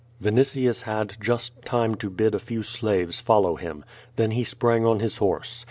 Vinitiiis had just time to bid a few slaves follow him. Then, he sprang on his horse.